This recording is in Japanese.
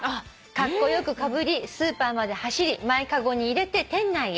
「カッコ良くかぶりスーパーまで走り前かごに入れて店内へ」